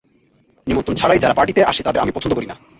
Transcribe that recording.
নিমন্ত্রণ ছাড়াই যারা পার্টিতে আসে তাদের আমি পছন্দ করি।